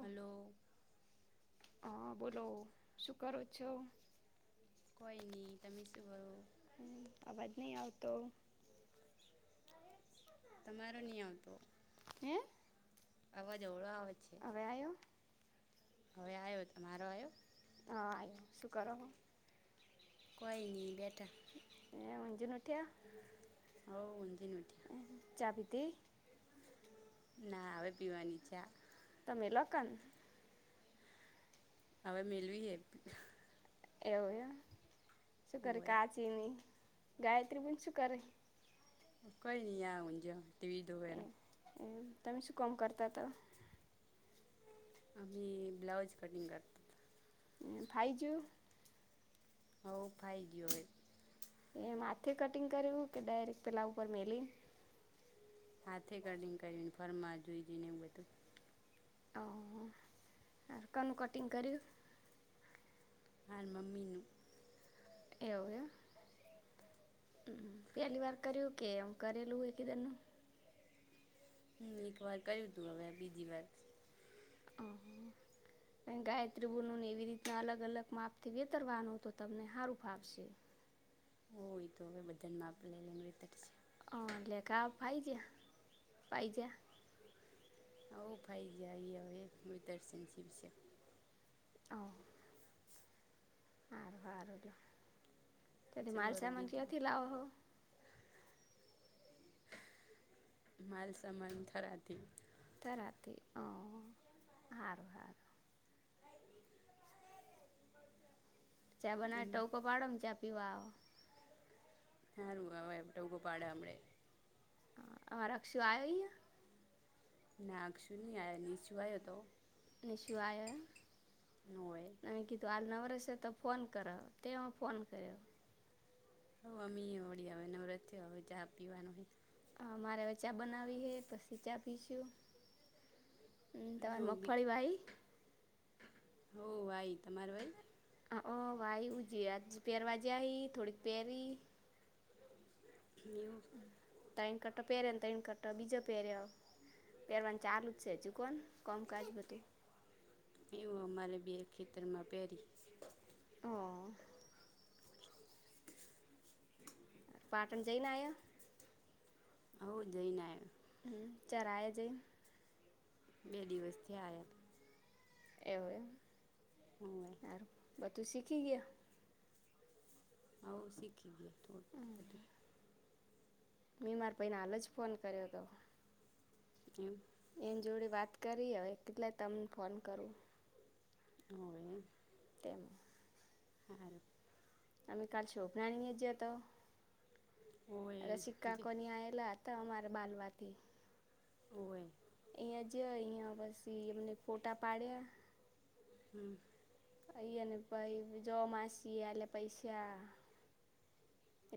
Hello હા, બોલો શું કરો છો. કોઈ, નહી. તમે શું કરો અવાજ નહીં આવતો તમારો નહી આવતો હે અવાજ, ઓવળો આવે છે. હવે આવ્યો હવે, આવ્યો તમારો આવ્યો હ આયુ શું કરો કોઈ નહી, બેઠા. એ મંજ ન ઉઠ્યા હવે ઊંધી ઉઠ્યા ચા પીતી ના હવે પીવાની છે. તમે લકને હવે, મેલવી એ એવું હે શું, કરે હવે કાચીની ગાયત્રી પણ શું કરે કોઈ નહી, આવે મારે ત્યાં ટીવી જોવે રા છુ, કમ કરતા અી બ્લાઉજ કટિંગ કરતા ફાઈજુ હ ભાઈ ગ હોય એમ હાથે, કટિંગ કર કે ડાયરેક્ટ પેલા ઉપર મેલી હાથે કટિંગ કરને ફર્મ માં જોઈ જઈને એવું બધુ ઓ હ કોનનું કટિંગ કર્યુ હા મમ્મીનું હ પહેલી વાર કરું કેમ કરેલું હોય એકી દોનું. હમ્મ એક વાર કર્યું તું હવે બીજી વાર [unintelligible] કે ગાયત્રી બોલને એવી રીતના અલગ અલગ માપ થી વેતરવાનું તો તમને હારું ફાવશે હોય તો હવે બધાને માપ લે લઈને હ એટલે ઘા ફાઈ જ્યા પાઈ જ્યા હઓ ફાઈ જાય ઈ હવે મિધર જીવ છે ઓ સારું સારું તાર તમે શું કરું માલસામાન બીજું ક્યાંથી લાવો હો. માલસામાન થરાતી તરાતી હઓ હારુ હારુ. ચા બનાવે એમ ટવકો પાડો ને ચા પીવા હારુ, હવે એ ઉભું પાડે હમડે હ હ અક્ષુ આયોઈ હ નાખ શું નહી, આ નીચું આવયો હતો નિશુ, ન હોય નમે ગીત વાલ નવા તો ફોન કર તે ફોન કરે્યો હ, અમી વળી આવે નવરત આવે ચા પીવાનું હોય. હ, મારે હવે ચા બનાવી હે પછી ચા પીશુ તર હો બી મગફળી ભાઈ હો, ભાઈ તમારે ભાઈ ઓ ભાઈ હ, જે આજ પેરવાજ આવી થોડીક પેરી ન્યૂ તૈણ કટ પહેરને તણ કટ બીજો પહેર્યો પહેરવાને ચાલુ જ છે ચુકોન કોમ કાજ બધું. વીર ખિતરમાં પેરી હા. પાટણ જઈને આયા. હઓ જઈન આયા. હમ્મ ચાર આય જાય. બે દિવસથી આયા એવો એમ બધુ શીખી ગયા. હઓ શીખી ગયા. મેં માર ભાઈને હાલ જ ફોન કર્યો હતો એમ. એની જોડી વાત કરી હવે કેટલા તમને ફોન કરું હોવે તેમ હારુ. અમે કાલ છોભનાની જયા તો હોવે અ જે સિક્કાકોની આવેલા હતા અમારા બાલવાથી હોવે. અહીંયા જયો અહિયાં પછી એમને ફોટા પાડ્યા હમ્મ. અઈ અને પઈ જો માસી આલે પૈસા.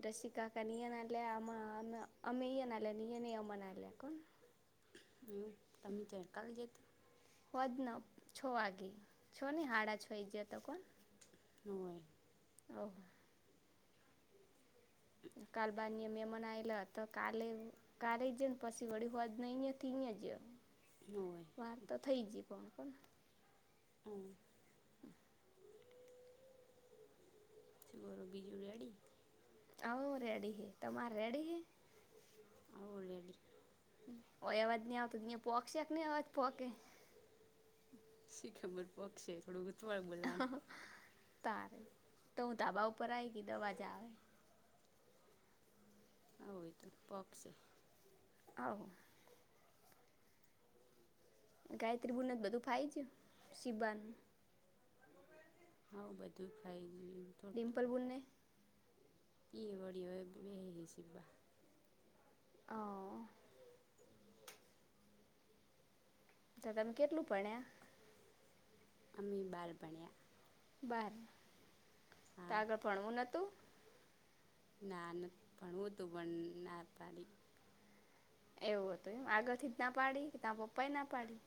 રસીકાકાન ઈઅન આલ્યા અમ અમે ઈઅન આપ્યા ઈઅને અમન આલ્યા. હમ્મ તમે ચયાં કાલ ગયા તા? પદન છ વાગે, છ નહી હાડા છ ગયા તા કોણ. નો હોય. ઓહ કાલ, બાર્ય મેમન આયલા તો કાલે-કાલે જ ને પછી વળી હોજ નહી, હતી ને જ ન હોય વાત તો થઈ ગયુ, પણ કોણ હમ્મ શું કરો બીજું રેડી હોવ રેડી. તમાર રેડી હે [unintelligible] ઓય અવાજ નહી, આવતો ન્યાં પોકશે નહી. અવાજ પોકે. શી ખબર પોગશે થોડું ગૂંથવાળ બોલવાનું તારે તો હુ, ધાબા ઉપર આવી કે દવાજ આવે. હો, ઈ તો પોપ સે હા ગાયત્રી બુને બધું ફાયુ ગયું સીબાનું. હોવ બધું ફાઇ ડિમ્પલ બુને? ઈય વળી હવે બેહી ગઈ સીબા. હા. તો તમે કેટલું ભણ્યા? અમે બાર ભણ્યા. બાર તો હા આગળ ભણવું નતું? નાન ભણવું તું પણ ના પાડી. એવું હતું એમ આગળ થી જ ના પાડી કે તારા પપ્પા એ ના પાડી?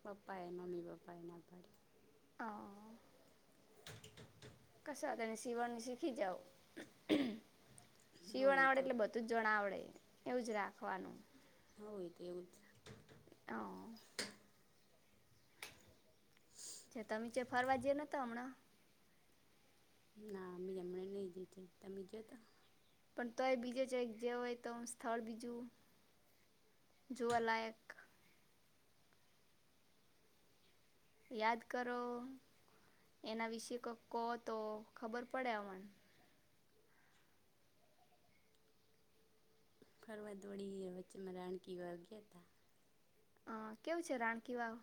પપ્પા એ મમ્મી પપ્પા એ ના પાડી. હા. [inaudible] કશા, તેને સીવાનું શીખી જાવ સીવણ હોય આવડે, તો એટલે બધું જ જણ આવડે, એવુંજ રાખવાનુ હો, એ તો એવુ જ હા ચ તમે, ચે ફરવા જયેલાં તા હમણા ના મે હમણે નહી, ગઈ તી. તમે ગયા તા પણ તોય, બીજો જેક જેઓ હોય તો સ્થળ બીજું જોવા લાયક. યાદ કરો. એના વિશે ક કહો, તો ખબર પડે અમણે ફરવા દોડી વચ્ચમાં રાણકીવાવ ગયા, તા. હા. કેવું છે, રાણકી વાવ?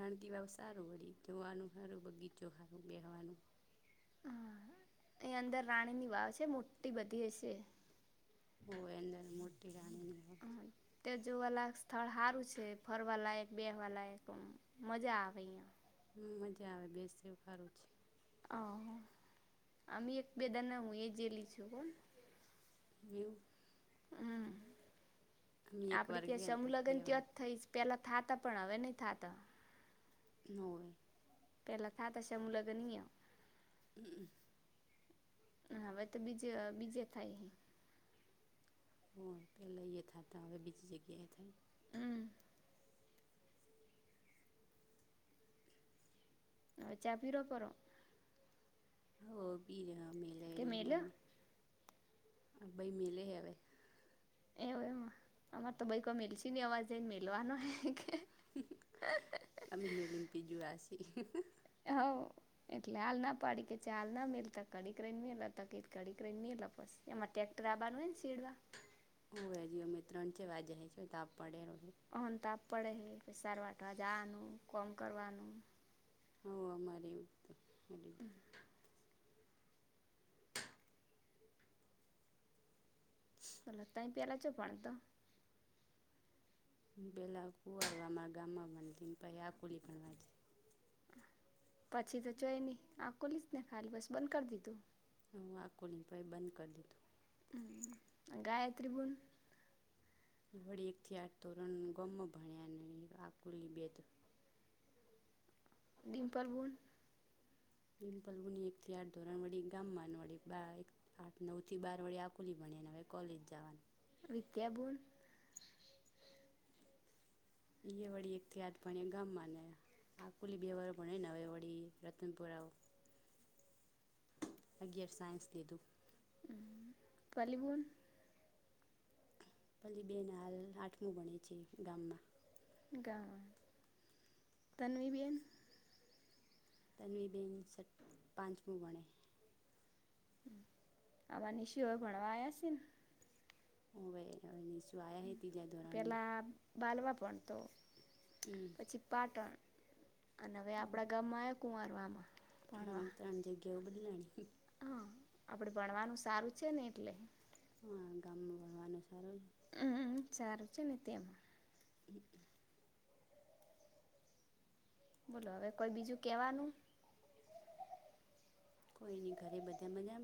રાણકી વાવ સારુ, વળી જોવાનું હારું બગીચો હારુ બેહવાનુ હા, એ અંદર રાણી ની વાવ છે, મોટી બધી હશે હો અંદર મોટી રાણીની જોવા લાયક સ્થળ હારુ છે, ફરવાલાયક, બેહવાલાયક મજા આવે યા મજા આવે બેસેવ હારુ છે. હા, આમે એક બેદાના હુ, એ જયેલી છુ, હુ. [unintelligible] અમે એક આપડી વાર ત્યાં ગયા સમૂહ હતા બે લગ્ન વાર ત્યા જ થઈ પેલા થાતા પણ હવે, નહી થાતા નઈ પેલા થા, તશે મુ લગ નહીય હ હવે, તો બીજે બીજે થાય હો, પેલા એ થતા હવે બીજી જગ્યાએ થાય હમ્મ હ, ચ આપીરોવાપરો હ, બી કે મેલ અ ભાઈ મેલે હવે એવ એમ અમાર, તો ભાઈ કો મેલસીી ન અવાજ મલવાનો હ, કે હ હઉ હ એટલે હાલના પાડી, કે હાલ ના કડી ક પમાંક્ટર બાનુંને, સેડવા હ, હજઓમે ત્રણ છે વાજ છે. તા પડેલો છે અહંત આપ પડે પ સાર વાટવા જવાનુ કોમ કરવાનુ હ, અમારે એવું બીધુ હલા ત પેલા છો, પણ તો પેલા કુવા અમારા ગામમાં બ પાઈ આ કુલી પણ વા પછી તો ચય નહી, આ ખુલી જ ને ખાલી બસ બંધ કરી દીધુ હુ, વા કોલી પાઈ બંધ કરી દીધુ ગાયત્રીબન વળી એકથી આઠ, તોરણ ગમ્મ ભણ્યા ન આ કુલીબેદ ડીમ પારવન પિમ્પલગુની એક થી આઠ ધોરણ વડી ગામ મા વળી આઠ નવ થી બાર વડે આકુલી નવે કોલેજ જવાનુ વિદ્યા, બણ એ બડી એત્યાત બણી ગામ, માને આકુલી બવારો પણ હોય, ને હવેવાળડી રતનપુરાઓ અગયર સાયન્સ લધ પલીિવન પછ બે ના હાલ આઠમું ભણે છે, ગામમા ગ તનવી બેીન તો ન બેન, પાંચમ મણે આવા નિશ હોય, ભણવા આવયા છેને હવેાઈ પેલા બાલવા પણ, તો પછી પાટણ અને હવે, આપડા ગામમા આવ કુંમારવામા હમ, ત આનજ અગઓ ભલી લેની હા, આપડે ભણવાનું સારું છેને, એટલે હ, ગામમાં ભણવાનું સારુ હમ, સારું છેને. તેમા હમ બોલો હવે કોઈ બીજું કેવાનુ કોઈ, નઈ ઘરે બધા મજા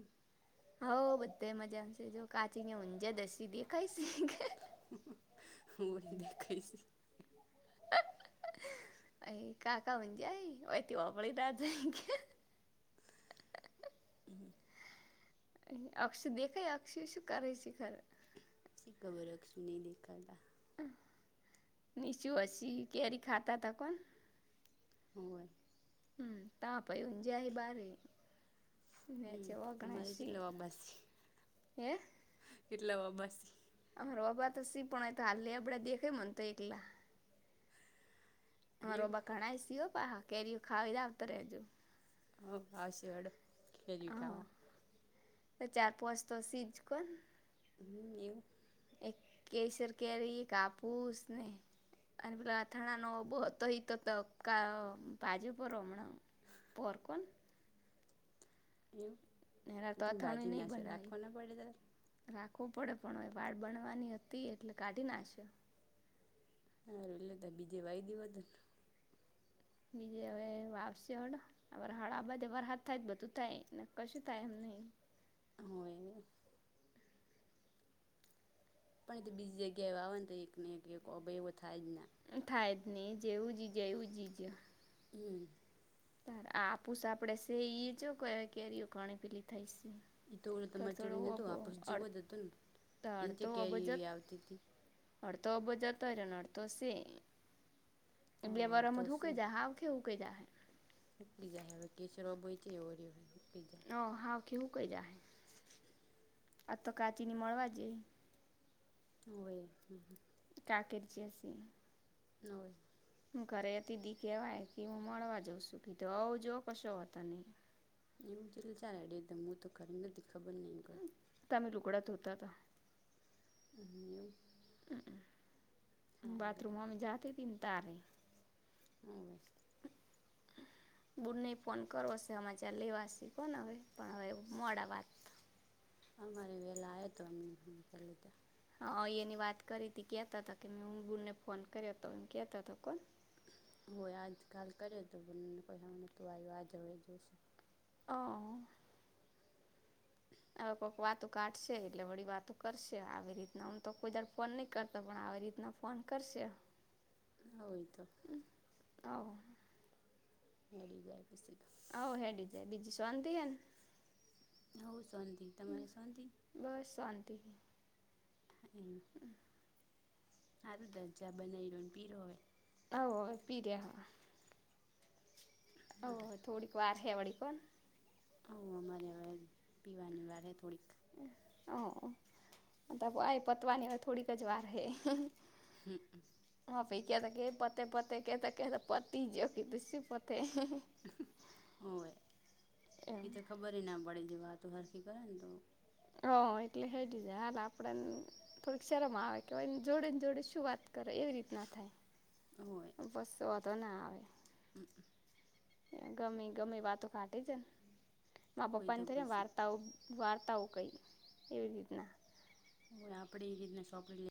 હઉ, બધા મજા આશે જો કાચી ને ઊંજા દ હસી દેખાય છે. ઓ દેખાય છે. અ કાકા મજય હોયથી, વાપણી રા ગયા અક્ષ દેખે, અક્ષી શું કરે છેિખર ખબરખ છુ, ન દેખાલા નિચુ હસી, કેરી ખાતા ત કોન હોય હમ તાપાઈ હજ બારે મે હમ છે, ઓગણ તમારે સી કેટલા વાબાસી હે કેટલા વાબાસી અમારોબા તો સી પણ તો હાલલે આપડા દેખે મને તો એકલા હા રોબા એવું ઘણાય સીઓ કેરી ખાવીાવતો ર હજુ હ, હ શડ ખજી હા ખાવા ચાર, પોચ તો સીજક હમ એવું કેસર, કેરી, કાપુસ ને અને પેલા અથાણા નો, હતો તો ક બાજુ પર હમણાં પર કોન એવું એરા, તો તેમ અથાણું ભાજી નહીં નાશે બનાવી રાખવા ના પડે તાર રાખ વ પડે પણ વાળ બનવાની હતી, એટલે કાઢી નાશે સાર એટલે તો બીજે વાય દીવા હત ને બીજે, હવે વાપશે હળ હળ આ વરસાદ અમાર હાથ, થાય બધું થાયને કશું થાય એમ નહીં હોય પણ બીજી જગ્યા, એ આવે ને તો એક ને એક એવો થાય જના થાય જ નહી, જેવું જઈજ એવું જ ઈજ હમ તાર આ આપુસ આપડે સે ઈ જો કે કેરીઓ ઘણી પેલી થઈશ એતો ઓલે તમારે ચડીને હતુ આપસ જેવો અડ જ હતુ, ને ચ કેરી એવી આવતી, હતી. અડતોો અબો જતો હોય અડધો સે બે હવ વારમા કેઈ જાય, હાવ કેવુ કદ ઉકી જાય હવે કે રોબ છે. ઓ ઓ હા, કેવુ આ તો કાચીની મળવા જ હોવે હ કાકરજી નહીં ઘરે હતી દી કવાય કે હું મળવા જઉં છું કીધું આવ જો કશો ત નહી એવું ચ ચાડેમ હું તો ખરે નથી ખબર નહી કો તો તા તા હમ એવું હમ સારું હવે બાથરૂમો જાતે તને તારે બુ ન ફોન કરો સમાચાર લેવા શીખો ને હવે પણ હવે મોડા વાત અમારી વેલા આવ તો અમ લીધ હા, અ એની વાત કરી હતી કેતા હતા કે મેં હબુને ફોન કર્યો હતો એમ કેતા કોણ હોય આજકાાલ કર્યો તો, બને કોઈ હ નતું આવ્યું આજ હવે જોશે અ હવે કોક વાતો કાઢશે એટલે વળી વાતો કરશે આવી રીતના હું તો કોઈ જ ફોન નહી કરતો પણ આવી રીતના ફોન કરશે હોય તો હળ જાય પછી તો હવ હેડી જાય બીજી શાંતિ એેન હવ શાંતિ તમારે શાંતિ બસ શાંતિ એમ, સારું તજા બનાવીયો ને પીરો હોવે. હવે પી રહ્યા‌. ઓ હવે થોડીક વાર હે. વડી કોણ આવું અમારે હવે પીવાની વારે થોડીક હ આ પતવાની થોડીક જ વાર હે. હું. હ પી કેતા કે પતે પતે કતા કેતા પતિ જ કે દી પોતે હોય એમ એ તો ખબરય ના પડે એની વાત તો હાથી ગાંડો. હ એટલે હે જીધે હાલ આપડેને થોડીક શરમ આવે કેયને જોડે ને જોડે શું વાત કરે એવી રીત ના થાય બસ વોધો તો ના આવે. હમ્મ અ. ગમે ગમે વાતો કાંઠે જ મા હોય પપ્પા તો ને થઈને પછી વાર્તાઓ વાર્તાઓ કઈ એવી રીતના. હોય આપડે એ રીતને સોપળ લે.